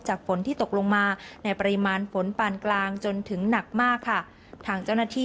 ฝนที่ตกลงมาในปริมาณฝนปานกลางจนถึงหนักมากค่ะทางเจ้าหน้าที่